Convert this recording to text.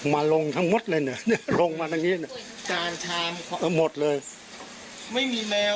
มาลงทั้งหมดเลยเนี่ยลงมาทางนี้เนี่ยจานชามทั้งหมดเลยไม่มีแมว